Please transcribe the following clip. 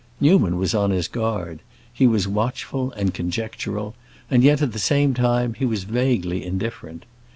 Newman was on his guard; he was watchful and conjectural; and yet at the same time he was vaguely indifferent.